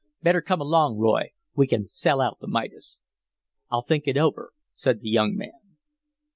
Better come along, Roy; we can sell out the Midas." "I'll think it over," said the young man.